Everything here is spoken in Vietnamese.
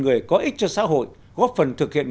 người có ích cho xã hội góp phần thực hiện